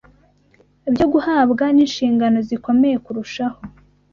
byo guhabwa n’inshingano zikomeye kurushaho